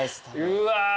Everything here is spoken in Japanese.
うわ。